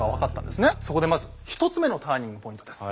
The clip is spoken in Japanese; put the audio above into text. そこでまず１つ目のターニングポイントです。